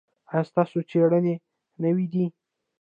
ایا ستاسو څیړنې نوې دي؟